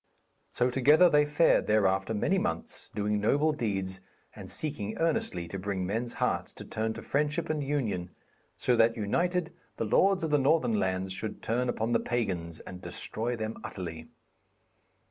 So, together, they fared thereafter many months, doing noble deeds, and seeking earnestly to bring men's hearts to turn to friendship and union, so that, united, the lords of the northern lands should turn upon the pagans and destroy them utterly.